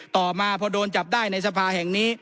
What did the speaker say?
ต่อมาพอโดนจับได้ในสภาแห่งนี้